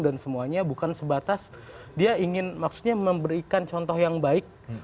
dan semuanya bukan sebatas dia ingin maksudnya memberikan contoh yang baik